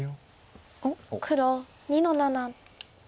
黒２の七。